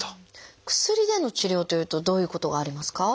薬での治療というとどういうことがありますか？